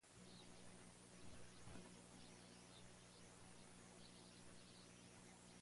Éste es generalmente conocido como "Catálogo Unificado Especializado".